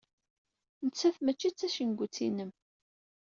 Nettat mačči d tacengut-inem.